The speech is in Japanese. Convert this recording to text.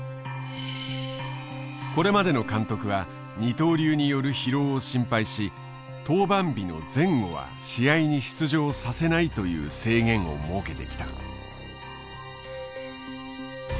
これまでの監督は二刀流による疲労を心配し登板日の前後は試合に出場させないという制限を設けてきた。